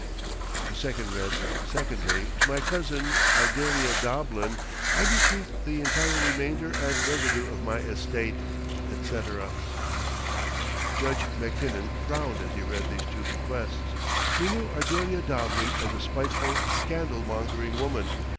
The second read: "Secondly, to my cousin Ardelia Doblin I bequeath the entire remainder and residue of my estate," etc. Judge Mackinnon frowned as he read these two bequests. He knew Ardelia Doblin as a spiteful, scandal mongering woman.